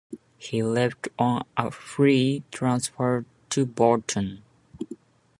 He left on a free transfer to Bolton.